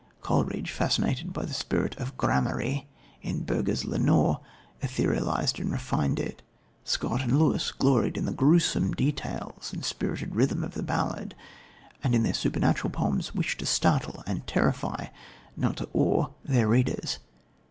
Coleridge, fascinated by the spirit of "gramarye" in Bürger's Lenore, etherealised and refined it. Scott and Lewis gloried in the gruesome details and spirited rhythm of the ballad, and in their supernatural poems wish to startle and terrify, not to awe, their readers.